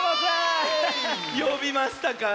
よびましたか？